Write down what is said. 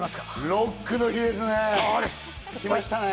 ロックの日ですね、きましたね。